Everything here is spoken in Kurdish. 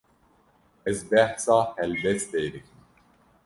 Ez behsa helbestê dikim.